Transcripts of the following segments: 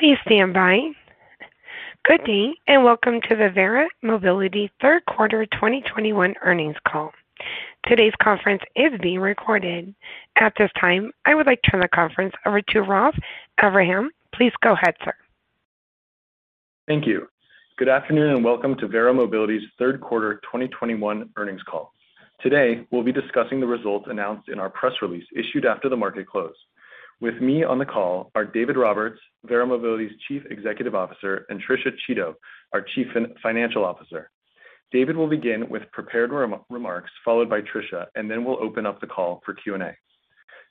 Good day, and welcome to the Verra Mobility third quarter 2021 earnings call. Today's conference is being recorded. At this time, I would like to turn the conf``erence over to Ralph Acverham. Please go ahead, sir. Thank you. Good afternoon, and welcome to Verra Mobility's third quarter 2021 earnings call. Today, we'll be discussing the results announced in our press release issued after the market closed. With me on the call are David Roberts, Verra Mobility's Chief Executive Officer, and Tricia Chiodo, our Chief Financial Officer. David will begin with prepared remarks, followed by Tricia, and then we'll open up the call for Q&A.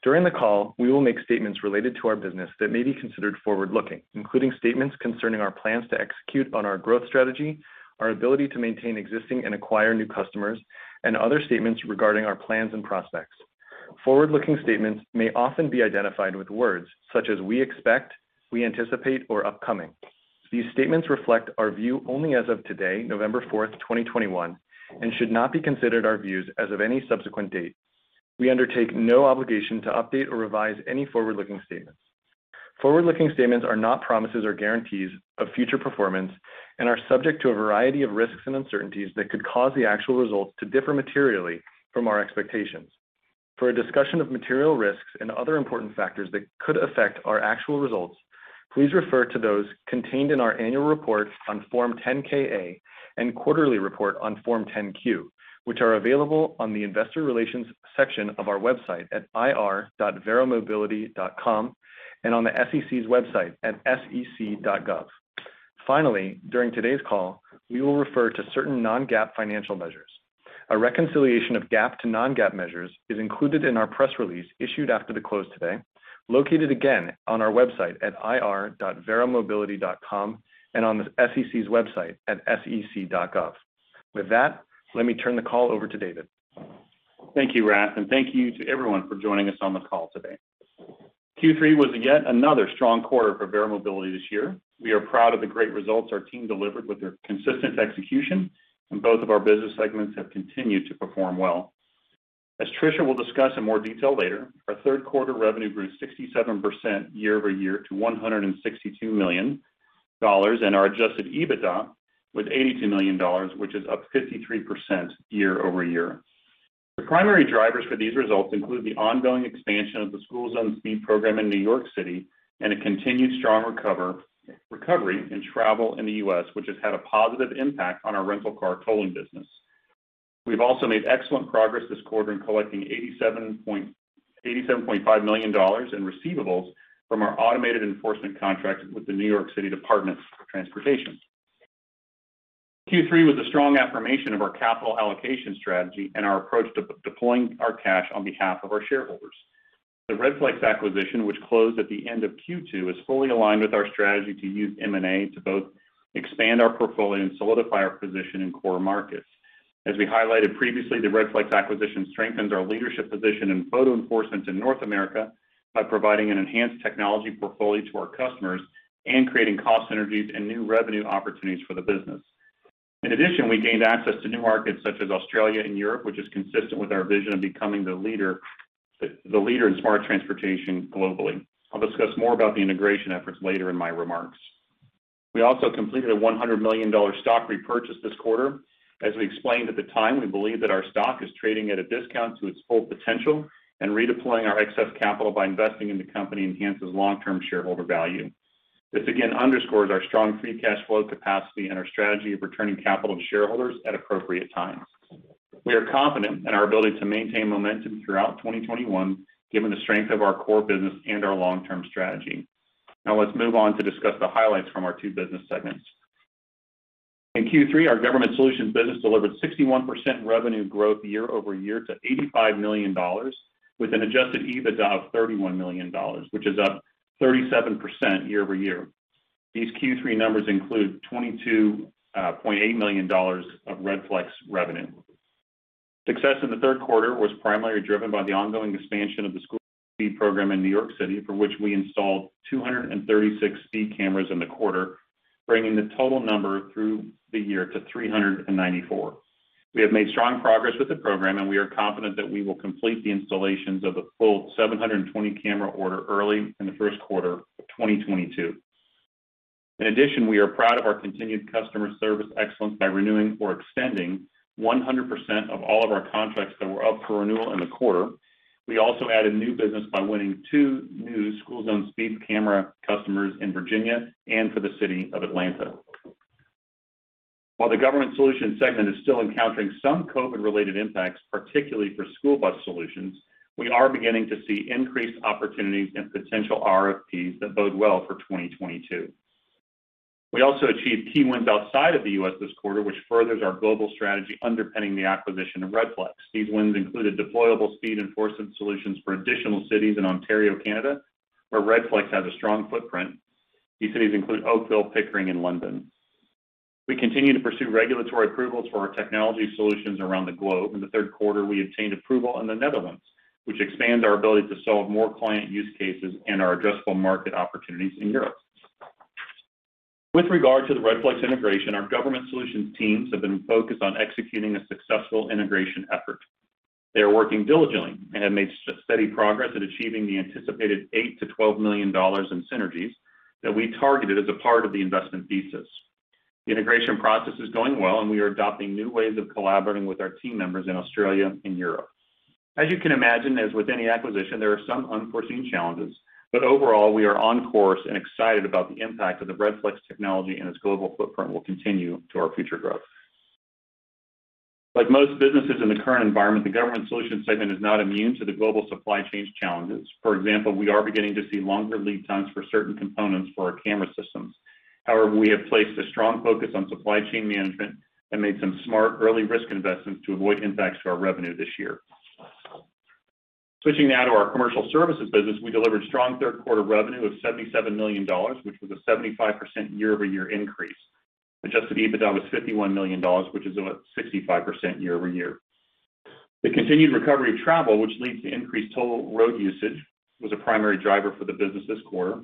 During the call, we will make statements related to our business that may be considered forward-looking, including statements concerning our plans to execute on our growth strategy, our ability to maintain existing and acquire new customers, and other statements regarding our plans and prospects. Forward-looking statements may often be identified with words such as "we expect," "we anticipate," or "upcoming." These statements reflect our view only as of today, November 4, 2021, and should not be considered our views as of any subsequent date. We undertake no obligation to update or revise any forward-looking statements. Forward-looking statements are not promises or guarantees of future performance and are subject to a variety of risks and uncertainties that could cause the actual results to differ materially from our expectations. For a discussion of material risks and other important factors that could affect our actual results, please refer to those contained in our annual report on Form 10-K-A and quarterly report on Form 10-Q, which are available on the Investor Relations section of our website at ir.verramobility.com and on the SEC's website at sec.gov. Finally, during today's call, we will refer to certain non-GAAP financial measures. A reconciliation of GAAP to non-GAAP measures is included in our press release issued after the close today, located again on our website at ir.verramobility.com and on the SEC's website at sec.gov. With that, let me turn the call over to David. Thank you, Rath, and thank you to everyone for joining us on the call today. Q3 was yet another strong quarter for Verra Mobility this year. We are proud of the great results our team delivered with their consistent execution, and both of our business segments have continued to perform well. As Tricia will discuss in more detail later, our third quarter revenue grew 67% year-over-year to $162 million, and our Adjusted EBITDA was $82 million, which is up 53% year-over-year. The primary drivers for these results include the ongoing expansion of the School Zone Speed program in New York City and a continued strong recovery in travel in the U.S., which has had a positive impact on our rental car tolling business. We've also made excellent progress this quarter in collecting $87.5 million in receivables from our automated enforcement contract with the New York City Department of Transportation. Q3 was a strong affirmation of our capital allocation strategy and our approach to deploying our cash on behalf of our shareholders. The Redflex acquisition, which closed at the end of Q2, is fully aligned with our strategy to use M&A to both expand our portfolio and solidify our position in core markets. As we highlighted previously, the Redflex acquisition strengthens our leadership position in photo enforcement in North America by providing an enhanced technology portfolio to our customers and creating cost synergies and new revenue opportunities for the business. In addition, we gained access to new markets such as Australia and Europe, which is consistent with our vision of becoming the leader in smart transportation globally. I'll discuss more about the integration efforts later in my remarks. We also completed a $100 million stock repurchase this quarter. As we explained at the time, we believe that our stock is trading at a discount to its full potential, and redeploying our excess capital by investing in the company enhances long-term shareholder value. This again underscores our strong free cash flow capacity and our strategy of returning capital to shareholders at appropriate times. We are confident in our ability to maintain momentum throughout 2021, given the strength of our core business and our long-term strategy. Now let's move on to discuss the highlights from our two business segments. In Q3, our Government Solutions business delivered 61% revenue growth year-over-year to $85 million, with an Adjusted EBITDA of $31 million, which is up 37% year-over-year. These Q3 numbers include $22.8 million of Redflex revenue. Success in the third quarter was primarily driven by the ongoing expansion of the School Speed program in New York City, for which we installed 236 speed cameras in the quarter, bringing the total number through the year to 394. We have made strong progress with the program, and we are confident that we will complete the installations of the full 720 camera order early in the first quarter of 2022. In addition, we are proud of our continued customer service excellence by renewing or extending 100% of all of our contracts that were up for renewal in the quarter. We also added new business by winning two new School Zone Speed Camera customers in Virginia and for the city of Atlanta. While the Government Solutions segment is still encountering some COVID-related impacts, particularly for school bus solutions, we are beginning to see increased opportunities and potential RFPs that bode well for 2022. We also achieved key wins outside of the U.S. this quarter, which furthers our global strategy underpinning the acquisition of Redflex. These wins included deployable speed enforcement solutions for additional cities in Ontario, Canada, where Redflex has a strong footprint. These cities include Oakville, Pickering, and London. We continue to pursue regulatory approvals for our technology solutions around the globe. In the third quarter, we obtained approval in the Netherlands, which expands our ability to solve more client use cases and our addressable market opportunities in Europe. With regard to the Redflex integration, our Government Solutions teams have been focused on executing a successful integration effort. They are working diligently and have made steady progress at achieving the anticipated $8 million-$12 million in synergies that we targeted as a part of the investment thesis. The integration process is going well, and we are adopting new ways of collaborating with our team members in Australia and Europe. As you can imagine, as with any acquisition, there are some unforeseen challenges, but overall, we are on course and excited about the impact of the Redflex technology, and its global footprint will contribute to our future growth. Like most businesses in the current environment, the Government Solutions segment is not immune to the global supply chain challenges. For example, we are beginning to see longer lead times for certain components for our camera systems. However, we have placed a strong focus on supply chain management and made some smart early risk investments to avoid impacts to our revenue this year. Switching now to our Commercial Services business. We delivered strong third quarter revenue of $77 million, which was a 75% year-over-year increase. Adjusted EBITDA was $51 million, which is about 65% year-over-year. The continued recovery of travel, which leads to increased toll road usage, was a primary driver for the business this quarter.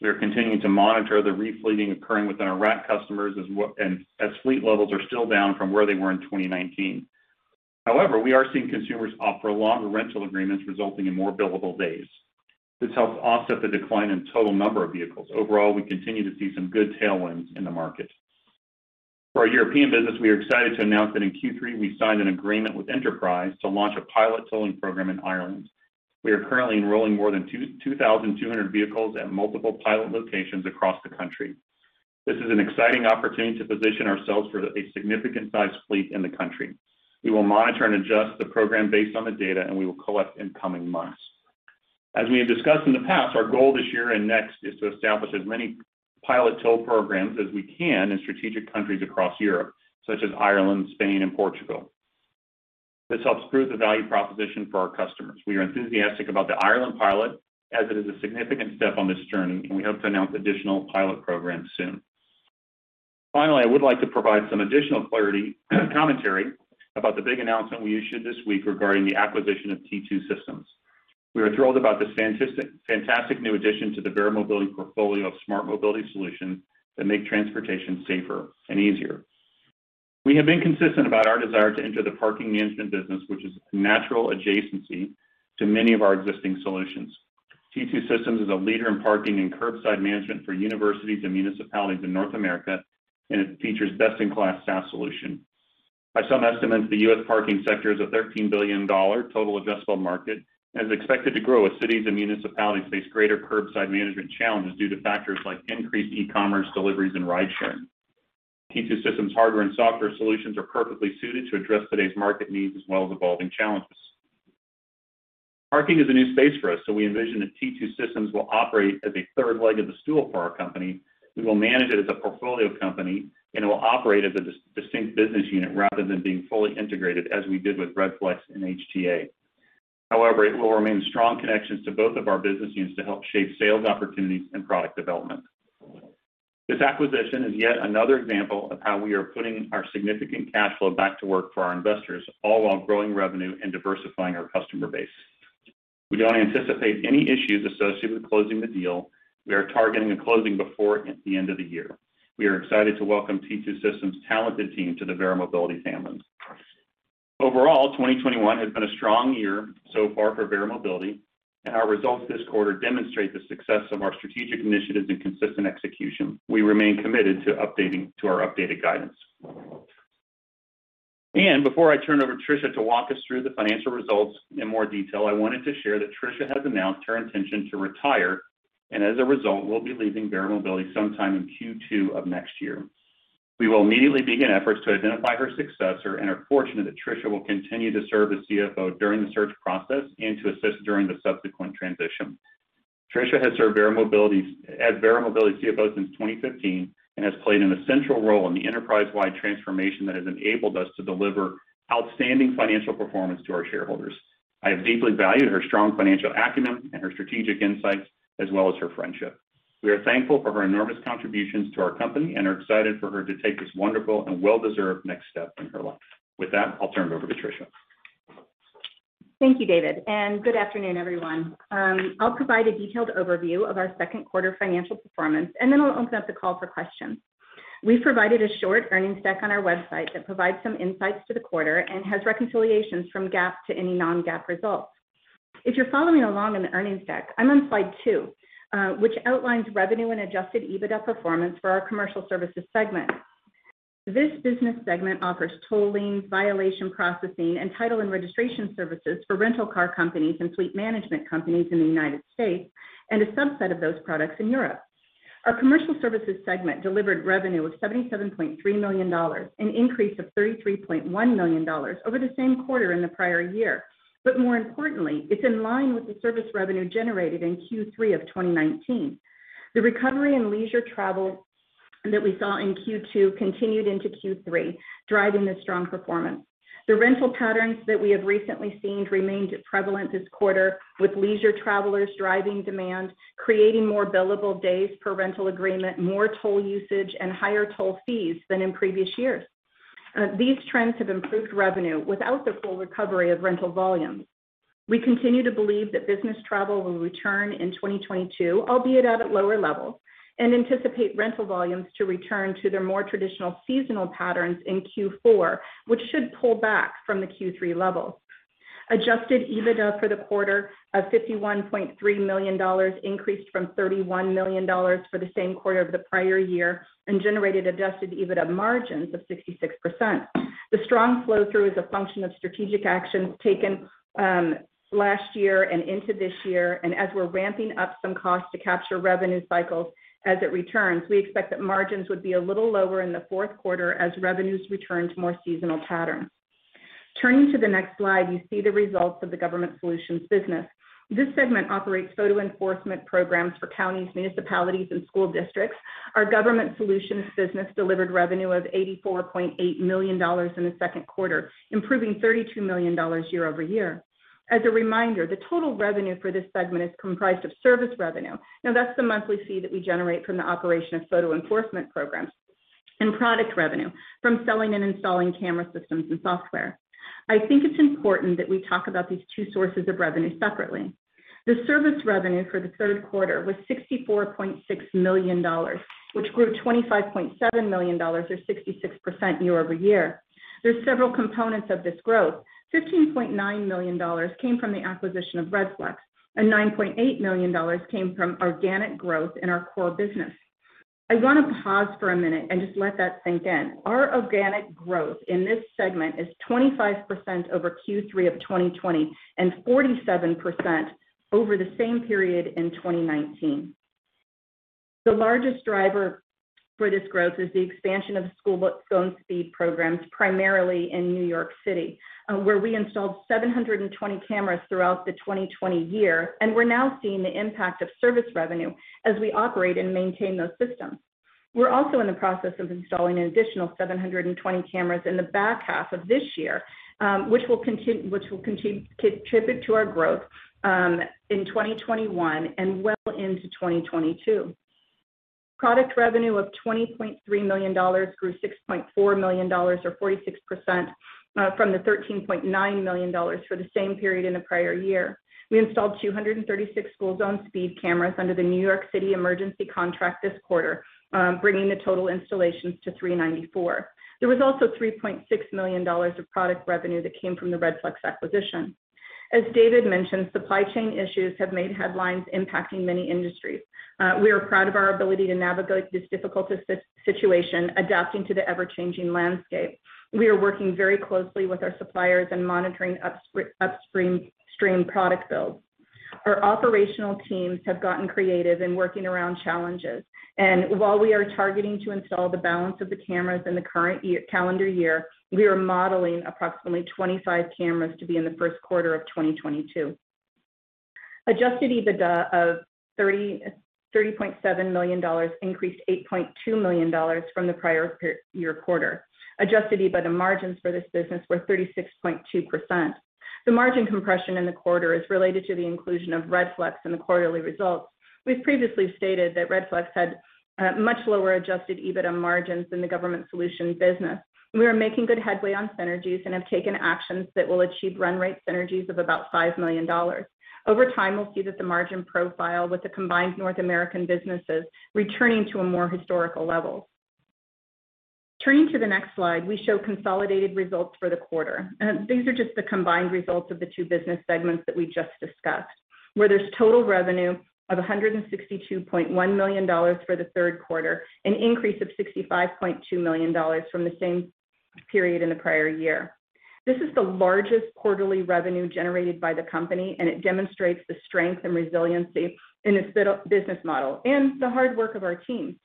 We are continuing to monitor the re-fleeting occurring within our fleet customers and as fleet levels are still down from where they were in 2019. However, we are seeing consumers opt for longer rental agreements, resulting in more billable days. This helps offset the decline in total number of vehicles. Overall, we continue to see some good tailwinds in the market. For our European business, we are excited to announce that in Q3 we signed an agreement with Enterprise to launch a pilot tolling program in Ireland. We are currently enrolling more than 2,200 vehicles at multiple pilot locations across the country. This is an exciting opportunity to position ourselves for a significant sized fleet in the country. We will monitor and adjust the program based on the data, and we will collect in coming months. As we have discussed in the past, our goal this year and next is to establish as many pilot toll programs as we can in strategic countries across Europe, such as Ireland, Spain and Portugal. This helps prove the value proposition for our customers. We are enthusiastic about the Ireland pilot as it is a significant step on this journey, and we hope to announce additional pilot programs soon. Finally, I would like to provide some additional clarity commentary about the big announcement we issued this week regarding the acquisition of T2 Systems. We are thrilled about this fantastic new addition to the Verra Mobility portfolio of smart mobility solutions that make transportation safer and easier. We have been consistent about our desire to enter the parking management business, which is a natural adjacency to many of our existing solutions. T2 Systems is a leader in parking and curbside management for universities and municipalities in North America, and it features best in class SaaS solution. By some estimates, the U.S. parking sector is a $13 billion total addressable market and is expected to grow as cities and municipalities face greater curbside management challenges due to factors like increased e-commerce deliveries and ridesharing. T2 Systems hardware and software solutions are perfectly suited to address today's market needs as well as evolving challenges. Parking is a new space for us, so we envision that T2 Systems will operate as a third leg of the stool for our company. We will manage it as a portfolio company, and it will operate as a distinct business unit rather than being fully integrated as we did with Redflex and HTA. However, it will retain strong connections to both of our business units to help shape sales opportunities and product development. This acquisition is yet another example of how we are putting our significant cash flow back to work for our investors, all while growing revenue and diversifying our customer base. We don't anticipate any issues associated with closing the deal. We are targeting a closing before the end of the year. We are excited to welcome T2 Systems talented team to the Verra Mobility family. Overall, 2021 has been a strong year so far for Verra Mobility, and our results this quarter demonstrate the success of our strategic initiatives and consistent execution. We remain committed to our updated guidance. Before I turn it over to Tricia to walk us through the financial results in more detail, I wanted to share that Tricia has announced her intention to retire, and as a result, will be leaving Verra Mobility sometime in Q2 of next year. We will immediately begin efforts to identify her successor and are fortunate that Tricia will continue to serve as CFO during the search process and to assist during the subsequent transition. Tricia has served as Verra Mobility's CFO since 2015 and has played an essential role in the enterprise-wide transformation that has enabled us to deliver outstanding financial performance to our shareholders. I have deeply valued her strong financial acumen and her strategic insights as well as her friendship. We are thankful for her enormous contributions to our company and are excited for her to take this wonderful and well-deserved next step in her life. With that, I'll turn it over to Tricia. Thank you, David, and good afternoon, everyone. I'll provide a detailed overview of our second quarter financial performance, and then we'll open up the call for questions. We provided a short earnings deck on our website that provides some insights to the quarter and has reconciliations from GAAP to any non-GAAP results. If you're following along in the earnings deck, I'm on slide 2, which outlines revenue and adjusted EBITDA performance for our Commercial Services segment. This business segment offers tolling, violation processing, and title and registration services for rental car companies and fleet management companies in the United States, and a subset of those products in Europe. Our Commercial Services segment delivered revenue of $77.3 million, an increase of $33.1 million over the same quarter in the prior year. More importantly, it's in line with the service revenue generated in Q3 of 2019. The recovery in leisure travel that we saw in Q2 continued into Q3, driving this strong performance. The rental patterns that we have recently seen remained prevalent this quarter, with leisure travelers driving demand, creating more billable days per rental agreement, more toll usage, and higher toll fees than in previous years. These trends have improved revenue without the full recovery of rental volumes. We continue to believe that business travel will return in 2022, albeit at lower levels, and anticipate rental volumes to return to their more traditional seasonal patterns in Q4, which should pull back from the Q3 levels. Adjusted EBITDA for the quarter of $51.3 million increased from $31 million for the same quarter of the prior year and generated adjusted EBITDA margins of 66%. The strong flow through is a function of strategic actions taken last year and into this year. As we're ramping up some costs to capture revenue cycles as it returns, we expect that margins would be a little lower in the fourth quarter as revenues return to more seasonal patterns. Turning to the next slide, you see the results of the Government Solutions business. This segment operates photo enforcement programs for counties, municipalities, and school districts. Our Government Solutions business delivered revenue of $84.8 million in the second quarter, improving $32 million year-over-year. As a reminder, the total revenue for this segment is comprised of service revenue. Now, that's the monthly fee that we generate from the operation of photo enforcement programs and product revenue from selling and installing camera systems and software. I think it's important that we talk about these two sources of revenue separately. The service revenue for the third quarter was $64.6 million, which grew $25.7 million or 66% year-over-year. There's several components of this growth. $15.9 million came from the acquisition of Redflex, and $9.8 million came from organic growth in our core business. I want to pause for a minute and just let that sink in. Our organic growth in this segment is 25% over Q3 of 2020 and 47% over the same period in 2019. The largest driver for this growth is the expansion of School Zone Speed programs, primarily in New York City, where we installed 720 cameras throughout the 2020 year. We're now seeing the impact of service revenue as we operate and maintain those systems. We're also in the process of installing an additional 720 cameras in the back half of this year, which will contribute to our growth in 2021 and well into 2022. Product revenue of $20.3 million grew $6.4 million or 46% from the $13.9 million for the same period in the prior year. We installed 236 School Zone Speed cameras under the New York City emergency contract this quarter, bringing the total installations to 394. There was also $3.6 million of product revenue that came from the Redflex acquisition. As David mentioned, supply chain issues have made headlines impacting many industries. We are proud of our ability to navigate this difficult situation, adapting to the ever-changing landscape. We are working very closely with our suppliers and monitoring upstream product builds. Our operational teams have gotten creative in working around challenges. While we are targeting to install the balance of the cameras in the current calendar year, we are modeling approximately 25 cameras to be in the first quarter of 2022. Adjusted EBITDA of $30.7 million increased $8.2 million from the prior year quarter. Adjusted EBITDA margins for this business were 36.2%. The margin compression in the quarter is related to the inclusion of Redflex in the quarterly results. We've previously stated that Redflex had much lower Adjusted EBITDA margins than the Government Solutions business. We are making good headway on synergies and have taken actions that will achieve run rate synergies of about $5 million. Over time, we'll see that the margin profile with the combined North American businesses returning to a more historical level. Turning to the next slide, we show consolidated results for the quarter. These are just the combined results of the two business segments that we just discussed, where there's total revenue of $162.1 million for the third quarter, an increase of $65.2 million from the same period in the prior year. This is the largest quarterly revenue generated by the company, and it demonstrates the strength and resiliency in this business model and the hard work of our teams.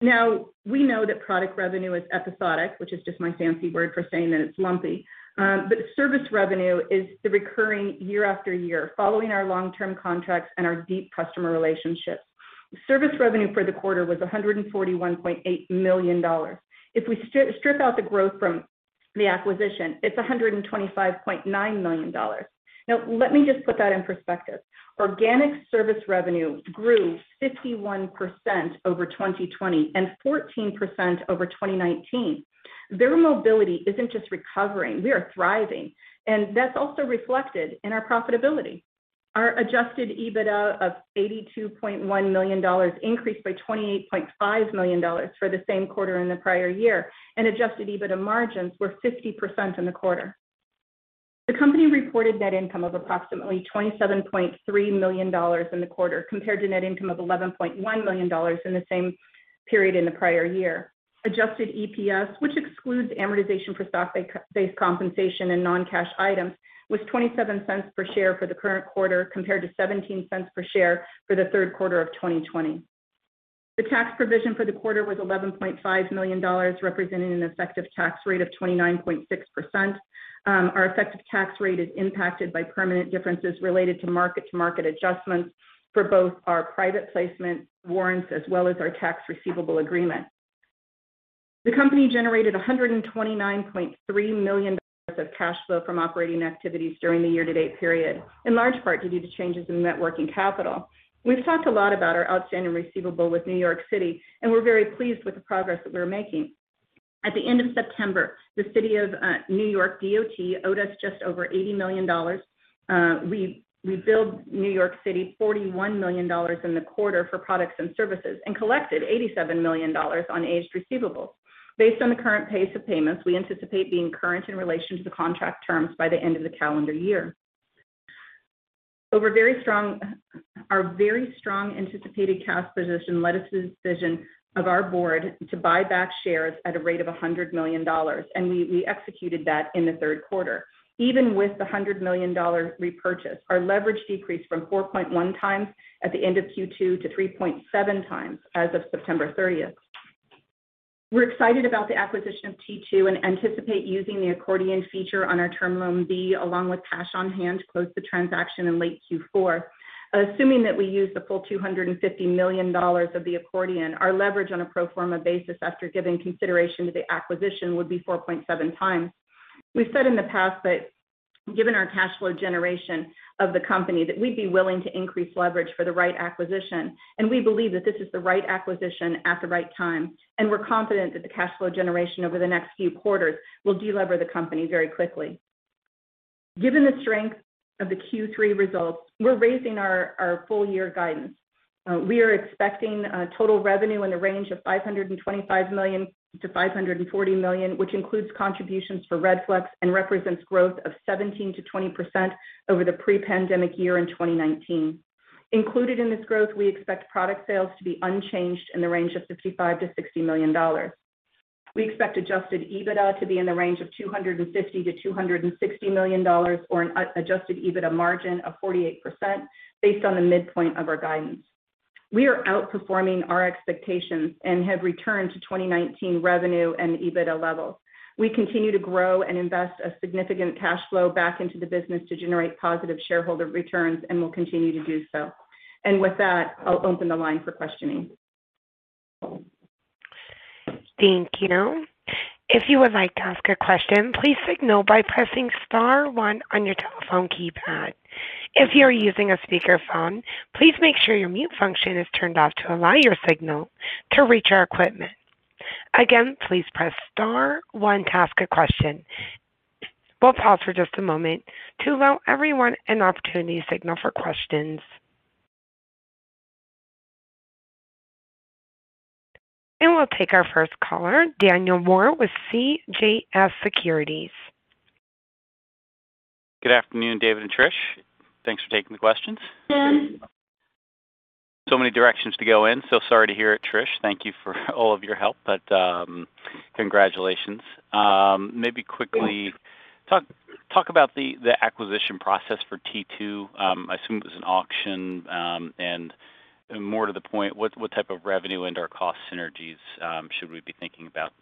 Now, we know that product revenue is episodic, which is just my fancy word for saying that it's lumpy. Service revenue is the recurring year after year following our long-term contracts and our deep customer relationships. Service revenue for the quarter was $141.8 million. If we strip out the growth from the acquisition, it's $125.9 million. Now, let me just put that in perspective. Organic service revenue grew 51% over 2020 and 14% over 2019. Verra Mobility isn't just recovering. We are thriving, and that's also reflected in our profitability. Our Adjusted EBITDA of $82.1 million increased by $28.5 million for the same quarter in the prior year, and Adjusted EBITDA margins were 50% in the quarter. The company reported net income of approximately $27.3 million in the quarter, compared to net income of $11.1 million in the same period in the prior year. Adjusted EPS, which excludes amortization for stock-based compensation and non-cash items, was $0.27 per share for the current quarter, compared to $0.17 per share for the third quarter of 2020. The tax provision for the quarter was $11.5 million, representing an effective tax rate of 29.6%. Our effective tax rate is impacted by permanent differences related to mark-to-market adjustments for both our private placement warrants as well as our tax receivable agreement. The company generated $129.3 million of cash flow from operating activities during the year-to-date period, in large part due to changes in net working capital. We've talked a lot about our outstanding receivable with New York City, and we're very pleased with the progress that we're making. At the end of September, the City of New York DOT owed us just over $80 million. We billed New York City $41 million in the quarter for products and services and collected $87 million on aged receivables. Based on the current pace of payments, we anticipate being current in relation to the contract terms by the end of the calendar year. Our very strong anticipated cash position led us to the decision of our board to buy back shares at a rate of $100 million, and we executed that in the third quarter. Even with the $100 million repurchase, our leverage decreased from 4.1 times at the end of Q2 to 3.7 times as of September 30. We're excited about the acquisition of T2 and anticipate using the accordion feature on our term loan B along with cash on hand to close the transaction in late Q4. Assuming that we use the full $250 million of the accordion, our leverage on a pro forma basis after giving consideration to the acquisition would be 4.7 times. We've said in the past that given our cash flow generation of the company, that we'd be willing to increase leverage for the right acquisition, and we believe that this is the right acquisition at the right time. We're confident that the cash flow generation over the next few quarters will de-lever the company very quickly. Given the strength of the Q3 results, we're raising our full year guidance. We are expecting total revenue in the range of $525 million-$540 million, which includes contributions for Redflex and represents growth of 17%-20% over the pre-pandemic year in 2019. Included in this growth, we expect product sales to be unchanged in the range of $55 million-$60 million. We expect Adjusted EBITDA to be in the range of $250 million-$260 million or an Adjusted EBITDA margin of 48% based on the midpoint of our guidance. We are outperforming our expectations and have returned to 2019 revenue and EBITDA levels. We continue to grow and invest a significant cash flow back into the business to generate positive shareholder returns and will continue to do so. With that, I'll open the line for questioning. Thank you. If you would like to ask a question, please signal by pressing star one on your telephone keypad. If you're using a speakerphone, please make sure your mute function is turned off to allow your signal to reach our equipment. Again, please press star one to ask a question. We'll pause for just a moment to allow everyone an opportunity to signal for questions. We'll take our first caller, Daniel Moore with CJS Securities. Good afternoon, David and Trisha. Thanks for taking the questions. Many directions to go in. Sorry to hear it, Trisha. Thank you for all of your help, but, congratulations. Maybe quickly, talk about the acquisition process for T2. I assume it was an auction, and more to the point, what type of revenue and/or cost synergies should we be thinking about?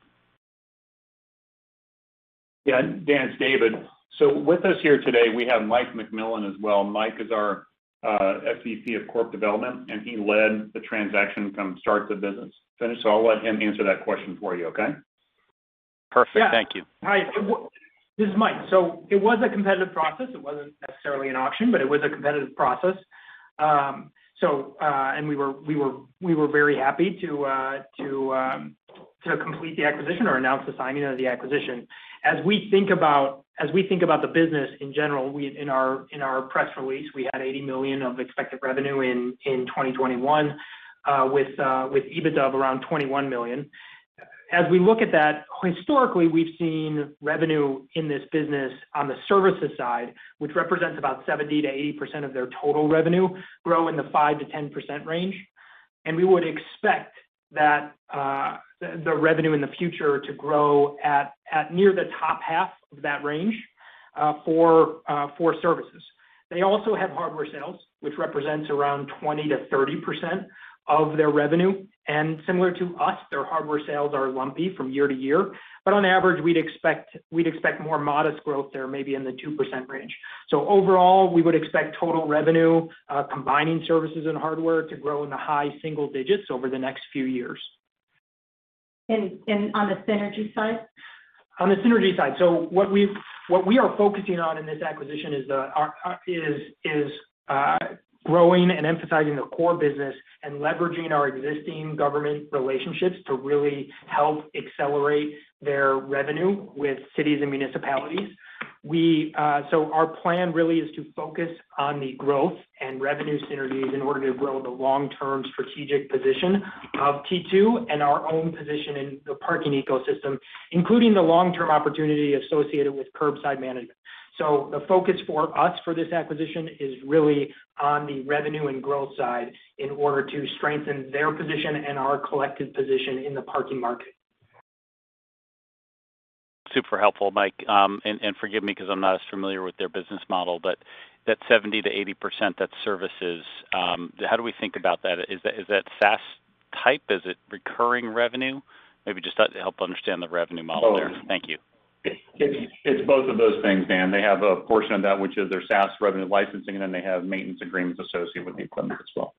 Yeah. Daniel, it's David. With us here today, we have Mike McMillin as well. Mike is our SVP of Corporate Development, and he led the transaction from start to finish. I'll let him answer that question for you. Okay? Perfect. Thank you. Yeah. Hi. This is Mike. It was a competitive process. It wasn't necessarily an auction, but it was a competitive process. We were very happy to complete the acquisition or announce the signing of the acquisition. As we think about the business in general, in our press release, we had $80 million of expected revenue in 2021, with EBITDA of around $21 million. As we look at that, historically, we've seen revenue in this business on the services side, which represents about 70%-80% of their total revenue, grow in the 5%-10% range. We would expect that the revenue in the future to grow at near the top half of that range for services. They also have hardware sales, which represents around 20%-30% of their revenue. Similar to us, their hardware sales are lumpy from year to year. On average, we'd expect more modest growth there, maybe in the 2% range. Overall, we would expect total revenue combining services and hardware to grow in the high single digits over the next few years. on the synergy side? On the synergy side. What we are focusing on in this acquisition is growing and emphasizing their core business and leveraging our existing government relationships to really help accelerate their revenue with cities and municipalities. Our plan really is to focus on the growth and revenue synergies in order to grow the long-term strategic position of T2 and our own position in the parking ecosystem, including the long-term opportunity associated with curbside management. The focus for us for this acquisition is really on the revenue and growth side in order to strengthen their position and our collective position in the parking market. Super helpful, Mike. Forgive me because I'm not as familiar with their business model, but that 70%-80% that services, how do we think about that? Is that SaaS type? Is it recurring revenue? Maybe just to help understand the revenue model there. Totally. Thank you. It's both of those things, Dan. They have a portion of that which is their SaaS revenue licensing, and then they have maintenance agreements associated with the equipment as well.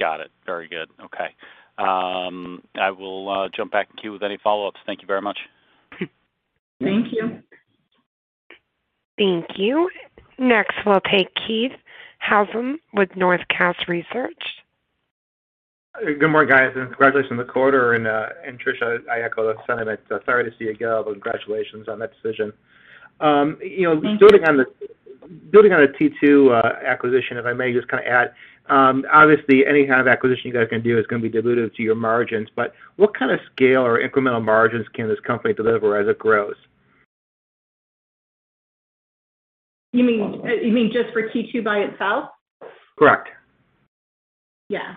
Got it. Very good. Okay. I will jump back in queue with any follow-ups. Thank you very much. Thank you. Thank you. Next, we'll take Keith Housum with Northcoast Research. Good morning, guys, and congratulations on the quarter. Trisha, I echo those sentiments. Sorry to see you go, but congratulations on that decision. You know- Thank you. Building on the T2 acquisition, if I may just kind of add, obviously any kind of acquisition you guys can do is gonna be dilutive to your margins. What kind of scale or incremental margins can this company deliver as it grows? You mean just for T2 by itself? Correct. Yeah.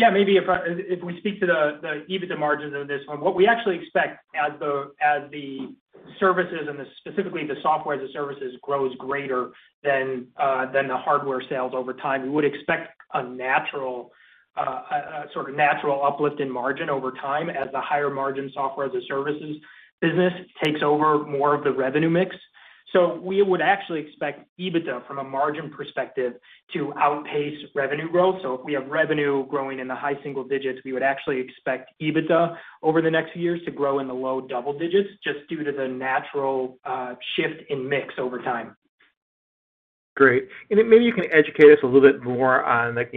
If we speak to the EBITDA margins of this one, what we actually expect as the services and specifically the software as a service grows greater than the hardware sales over time, we would expect a sort of natural uplift in margin over time as the higher margin software as a service business takes over more of the revenue mix. We would actually expect EBITDA from a margin perspective to outpace revenue growth. If we have revenue growing in the high single digits, we would actually expect EBITDA over the next few years to grow in the low double digits, just due to the natural shift in mix over time. Great. Then maybe you can educate us a little bit more on like,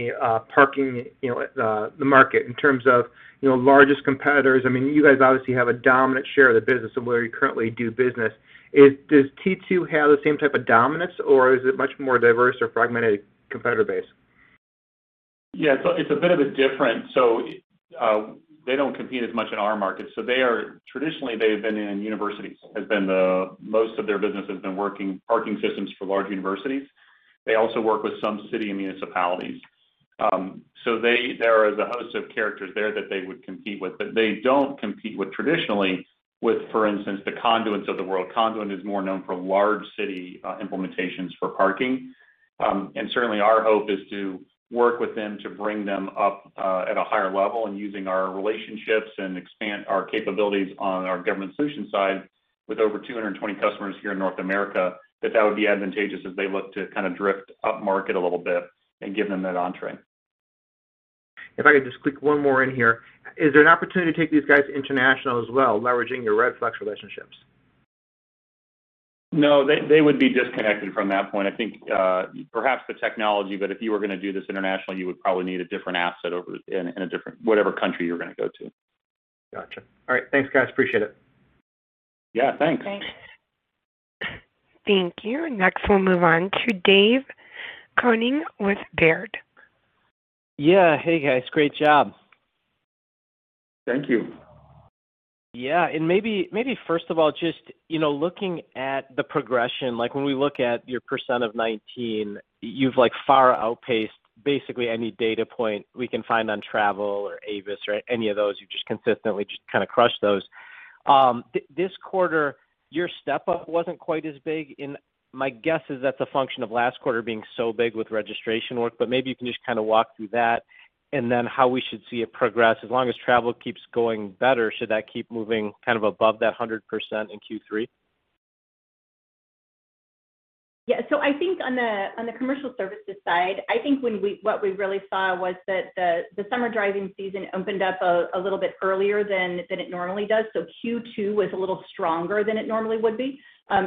parking, you know, the market in terms of, you know, largest competitors. I mean, you guys obviously have a dominant share of the business of where you currently do business. Does T2 have the same type of dominance or is it much more diverse or fragmented competitor base? They don't compete as much in our market. Traditionally, they've been in universities. Most of their business has been working parking systems for large universities. They also work with some cities and municipalities. There is a host of characters there that they would compete with, but they don't compete traditionally with, for instance, the Conduents of the world. Conduent is more known for large cities implementations for parking. Certainly our hope is to work with them to bring them up at a higher level and using our relationships and expand our capabilities on our Government Solutions side with over 220 customers here in North America, that would be advantageous as they look to kind of drift upmarket a little bit and give them that entree. If I could just click one more in here. Is there an opportunity to take these guys international as well, leveraging your Redflex relationships? No. They would be disconnected from that point. I think, perhaps the technology, but if you were gonna do this internationally, you would probably need a different asset over in a different whatever country you're gonna go to. Gotcha. All right. Thanks, guys. Appreciate it. Yeah, thanks. Thanks. Thank you. Next, we'll move on to Dave Koning with Baird. Yeah. Hey, guys. Great job. Thank you. Maybe first of all, just, you know, looking at the progression, like when we look at your percent of 2019, you've like far outpaced basically any data point we can find on travel or Avis or any of those. You've just consistently just kind of crushed those. This quarter, your step-up wasn't quite as big, and my guess is that's a function of last quarter being so big with registration work. Maybe you can just kind of walk through that and then how we should see it progress. As long as travel keeps going better, should that keep moving kind of above that 100% in Q3? Yeah. I think on the commercial services side, what we really saw was that the summer driving season opened up a little bit earlier than it normally does. Q2 was a little stronger than it normally would be.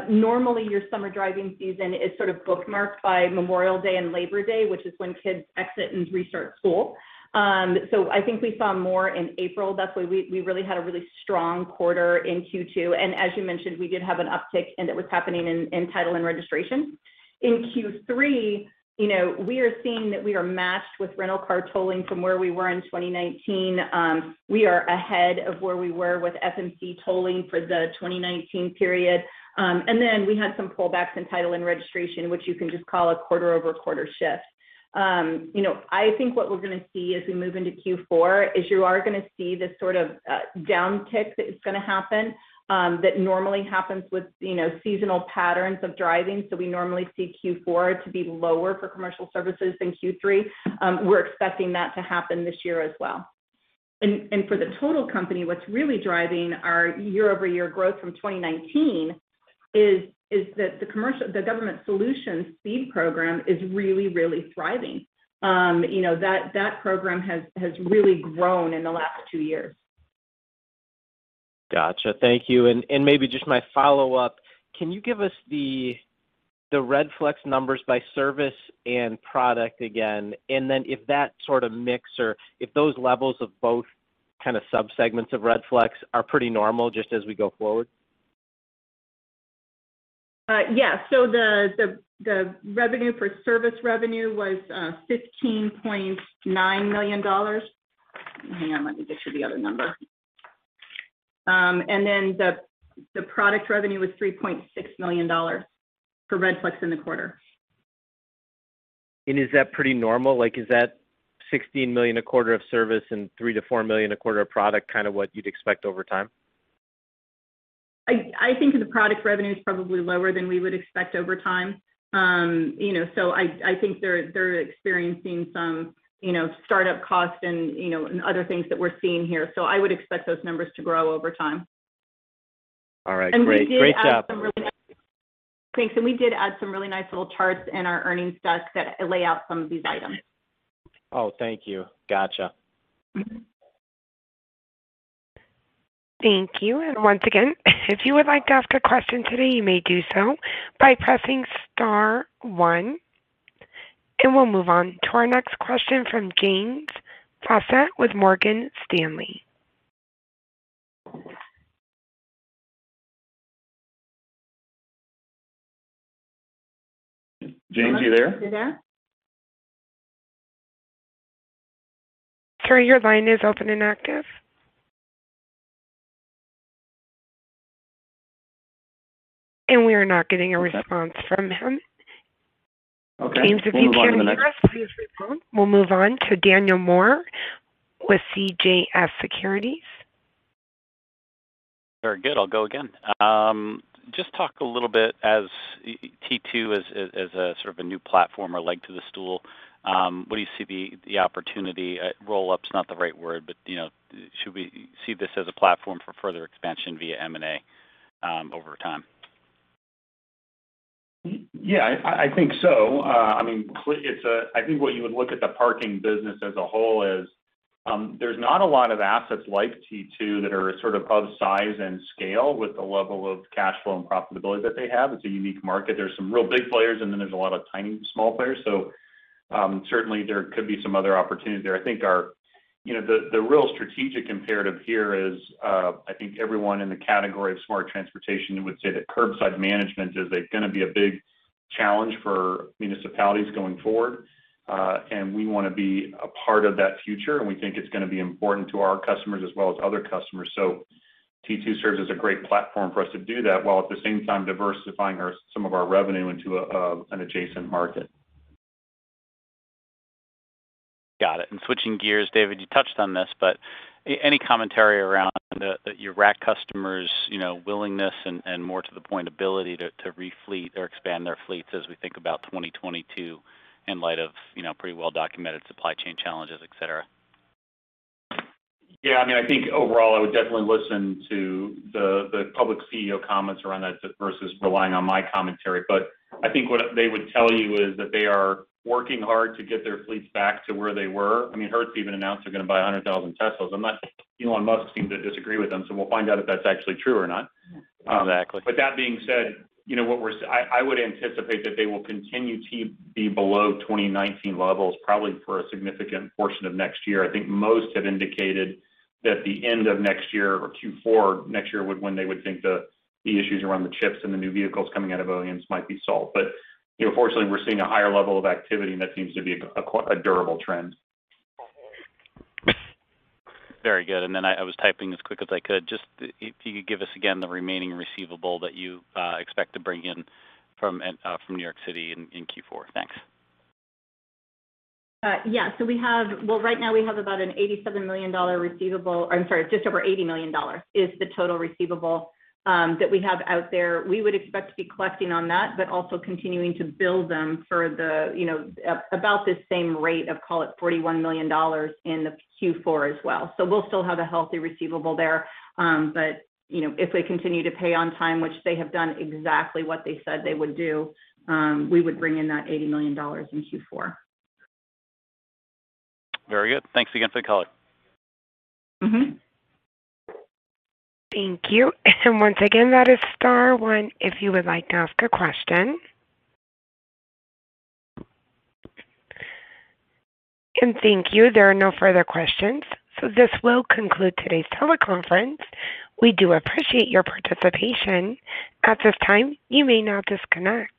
Normally your summer driving season is sort of bookmarked by Memorial Day and Labor Day, which is when kids exit and restart school. I think we saw more in April. That's why we really had a strong quarter in Q2. As you mentioned, we did have an uptick, and it was happening in title and registration. In Q3, you know, we are seeing that we are matched with rental car tolling from where we were in 2019. We are ahead of where we were with FMC tolling for the 2019 period. We had some pullbacks in title and registration, which you can just call a quarter-over-quarter shift. You know, I think what we're gonna see as we move into Q4 is you are gonna see this sort of downtick that is gonna happen that normally happens with you know seasonal patterns of driving. We normally see Q4 to be lower for Commercial Services than Q3. We're expecting that to happen this year as well. For the total company, what's really driving our year-over-year growth from 2019 is that the Government Solutions speed program is really really thriving. You know, that program has really grown in the last two years. Gotcha. Thank you. Maybe just my follow-up, can you give us the Redflex numbers by service and product again? Then if that sort of mix or if those levels of both kind of subsegments of Redflex are pretty normal just as we go forward. Yeah. The revenue for service revenue was $15.9 million. Hang on, let me get you the other number. The product revenue was $3.6 million for Redflex in the quarter. Is that pretty normal? Like, is that $16 million a quarter of service and $3 million-$4 million a quarter of product kind of what you'd expect over time? I think the product revenue is probably lower than we would expect over time. You know, I think they're experiencing some you know, startup costs and you know, other things that we're seeing here. I would expect those numbers to grow over time. All right. Great. We did add some really. Great job. Thanks. We did add some really nice little charts in our earnings deck that lay out some of these items. Oh, thank you. Gotcha. Mm-hmm. Thank you. Once again, if you would like to ask a question today, you may do so by pressing star one. We'll move on to our next question from James Faucette with Morgan Stanley. James, are you there? Sir, your line is open and active. And we are not getting a response from him. Okay. We'll move on then. James, if you plan to join us, please respond. We'll move on to Daniel Moore with CJS Securities. Very good. I'll go again. Just talk a little bit as T2 as a sort of a new platform or leg to the stool. What do you see the opportunity, roll-up's not the right word, but, you know, should we see this as a platform for further expansion via M&A, over time? Yeah, I think so. I mean, it's... I think when you would look at the parking business as a whole is, there's not a lot of assets like T2 that are sort of of size and scale with the level of cash flow and profitability that they have. It's a unique market. There's some real big players, and then there's a lot of tiny small players. Certainly there could be some other opportunities there. I think our... You know, the real strategic imperative here is, I think everyone in the category of smart transportation would say that curbside management is, like, gonna be a big challenge for municipalities going forward. And we wanna be a part of that future, and we think it's gonna be important to our customers as well as other customers. T2 serves as a great platform for us to do that, while at the same time diversifying our, some of our revenue into an adjacent market. Got it. Switching gears, David, you touched on this, but any commentary around your RAC customers', you know, willingness and, more to the point, ability to refleet or expand their fleets as we think about 2022 in light of, you know, pretty well-documented supply chain challenges, et cetera. Yeah. I mean, I think overall I would definitely listen to the public CEO comments around that versus relying on my commentary. I think what they would tell you is that they are working hard to get their fleets back to where they were. I mean, Hertz even announced they're gonna buy 100,000 Teslas. Elon Musk seemed to disagree with them, so we'll find out if that's actually true or not. Exactly. That being said, you know, what we're I would anticipate that they will continue to be below 2019 levels probably for a significant portion of next year. I think most have indicated that the end of next year or Q4 next year would when they would think the issues around the chips and the new vehicles coming out of OEMs might be solved. But, you know, fortunately, we're seeing a higher level of activity, and that seems to be a durable trend. Very good. I was typing as quick as I could. Just if you could give us again the remaining receivable that you expect to bring in from New York City in Q4. Thanks. Well, right now we have about an $87 million receivable. I'm sorry, just over $80 million is the total receivable that we have out there. We would expect to be collecting on that, but also continuing to bill them for the, you know, about the same rate of, call it $41 million in the Q4 as well. We'll still have a healthy receivable there. But, you know, if they continue to pay on time, which they have done exactly what they said they would do, we would bring in that $80 million in Q4. Very good. Thanks again for the color. Mm-hmm. Thank you. Once again, that is star one if you would like to ask a question. Thank you. There are no further questions, so this will conclude today's teleconference. We do appreciate your participation. At this time, you may now disconnect.